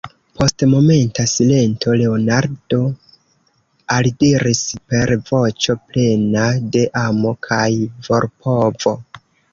Post momenta silento Leonardo aldiris per voĉo plena de amo kaj volpovo: